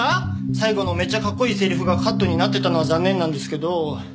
最後のめっちゃかっこいいセリフがカットになってたのは残念なんですけど。